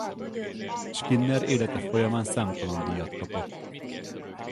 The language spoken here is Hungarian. Skinner élete folyamán számtalan díjat kapott.